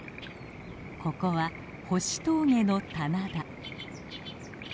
ここは星峠の棚田。